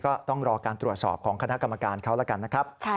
ก็ต้องรอการตรวจสอบของคณะกรรมการเขาแล้วกันนะครับ